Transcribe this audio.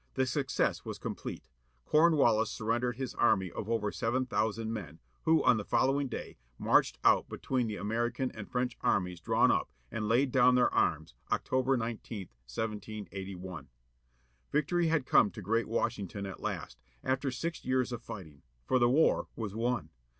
The success was complete. Comwallis surrendered his army of over seven thousand men, who on the following day marched out between the American and French armies drawn up, and laid down their arms, October 19, 1781. Victory had come to great Washington at last, after six years of fighting ; for the war was won.